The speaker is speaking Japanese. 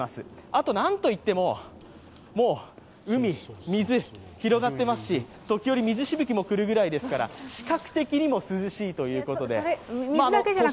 あとなんといっても、もう海、水、広がっていますし時折、水しぶきもくるぐらいですから視覚的にも涼しいというか。